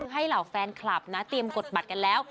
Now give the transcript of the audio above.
ให้เหล่าแฟนคลับนะเตรียมกดบัตรกันแล้ว